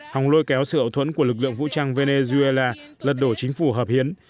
hòng lôi kéo sự ảo thuẫn của lực lượng vũ trang venezuela lật đổ chính phủ hợp hiến